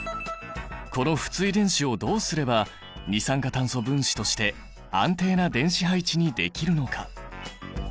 この不対電子をどうすれば二酸化炭素分子として安定な電子配置にできるのか？